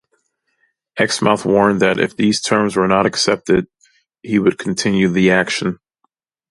Exmouth warned that if these terms were not accepted, he would continue the action.